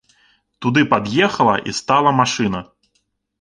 Туды пад'ехала і стала машына.